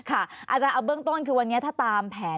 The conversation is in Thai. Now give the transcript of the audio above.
อาจารย์เอาเบื้องต้นคือวันนี้ถ้าตามแผน